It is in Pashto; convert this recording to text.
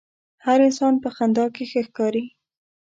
هر انسان په خندا کښې ښه ښکاري.